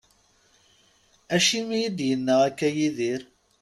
Acimi i d-yenna akka Yidir?